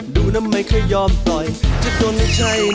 ดูแล้วคงไม่รอดเพราะเราคู่กัน